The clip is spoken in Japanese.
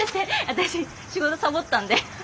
私仕事サボったんで。